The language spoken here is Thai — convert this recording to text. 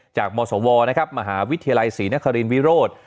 มศวนะครับมหาวิทยาลัยศรีนครินวิโรธ